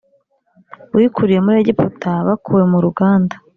wikuriye muri Egiputa bakuwe mu ruganda